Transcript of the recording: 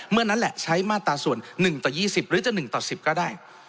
นั่นแหละใช้มาตราส่วน๑ต่อ๒๐หรือจะ๑ต่อ๑๐ก็ได้